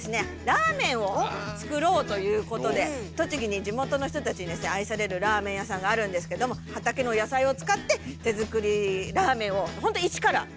ラーメンを作ろうということで栃木に地元の人たちにですね愛されるラーメン屋さんがあるんですけども畑の野菜を使って手作りラーメンをほんと一から！